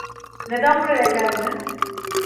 Neden buraya geldiniz?